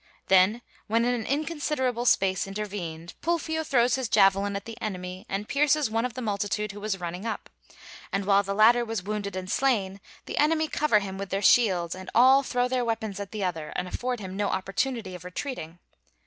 Then, when an inconsiderable space intervened, Pulfio throws his javelin at the enemy, and pierces one of the multitude who was running up, and while the latter was wounded and slain, the enemy cover him with their shields, and all throw their weapons at the other and afford him no opportunity of retreating.